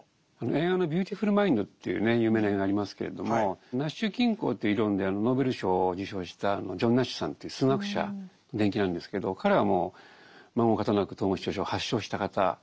映画の「ビューティフル・マインド」という有名な映画ありますけれどもナッシュ均衡という理論でノーベル賞を受賞したジョン・ナッシュさんという数学者の伝記なんですけど彼はもうまごう方なく統合失調症を発症した方なんですよ。